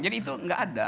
jadi itu nggak ada